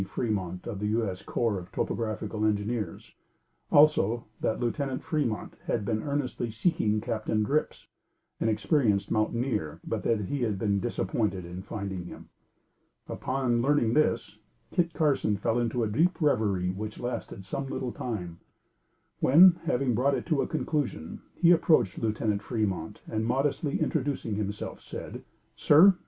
Fremont of the U.S. corps of topographical engineers; also, that Lieutenant Fremont had been earnestly seeking Captain Drips, an experienced mountaineer, but, that he had been disappointed in finding him. Upon learning this, Kit Carson fell into a deep reverie which lasted some little time, when, having brought it to a conclusion, he approached Lieutenant Fremont and modestly introducing himself, said: "Sir!